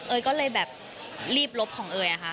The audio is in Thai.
เอ๋ยก็เลยแบบรีบลบของเอ๋ยค่ะ